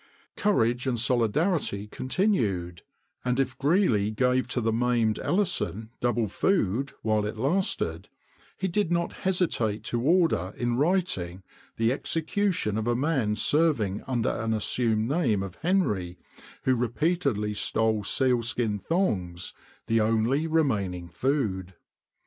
Courage and solidarity continued; and if Greely gave to the maimed Ellison double food while it lasted, he did not hesitate to order in writing the execution of a man serving under an assumed name of Henry, who repeatedly stole sealskin thongs, the only remaining food.